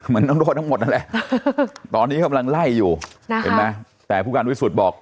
มันต้องโดนทั้งหมดนั่นแหละตอนนี้กำลังไล่อยู่เห็นไหมแต่ผู้การวิสุทธิ์บอก